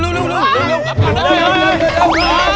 อืม